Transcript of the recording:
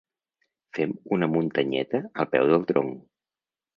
Fem una muntanyeta al peu del tronc.